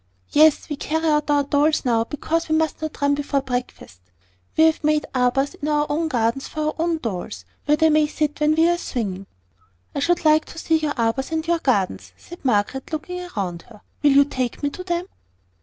"Yes; we carry out our dolls now because we must not run before breakfast. We have made arbours in our own gardens for our dolls, where they may sit when we are swinging." "I should like to see your arbours and your gardens," said Margaret, looking round her. "Will you take me to them?"